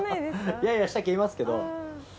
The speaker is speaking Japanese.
いやいやしたっけ言いますけど。